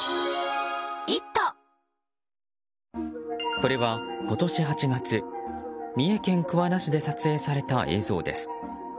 これは、今年８月三重県桑名市で撮影された映像です。